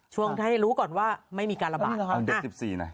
ช่วงให้รู้ก่อนว่าไม่มีการระบาดอันนี้เหรอครับอ่าเด็กสิบสี่น่ะ